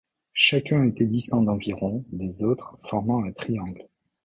Chacun était distant d'environ des autres, formant un triangle.